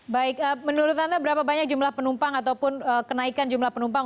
baik menurut anda berapa banyak jumlah penumpang ataupun kenaikan jumlah penumpang